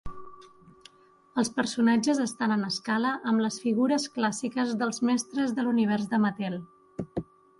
Els personatges estan en escala amb les figures clàssiques dels mestres de l'univers de Mattel.